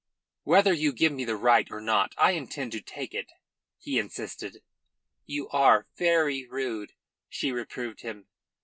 "Whether you give me the right or not, I intend to take it," he insisted. "You are very rude," she reproved him.